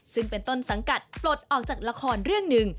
ซึ่งเป็นต้นสังกัดปลดออกจากละครเรื่องหนึ่ง